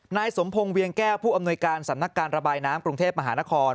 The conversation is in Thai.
นายสมพงศ์เวียงแก้วผู้อำนวยการสำนักการระบายน้ำกรุงเทพมหานคร